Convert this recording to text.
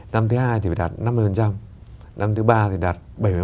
năm thứ hai thì phải đạt năm mươi năm thứ ba thì đạt bảy mươi